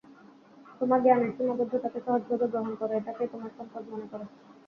তোমার জ্ঞানের সীমাবদ্ধতাকে সহজভাবে গ্রহণ করো, এটাকেই তোমার সম্পদ মনে করো।